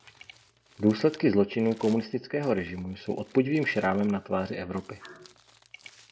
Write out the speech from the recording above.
Důsledky zločinů komunistického režimu jsou odpudivým šrámem na tváři Evropy.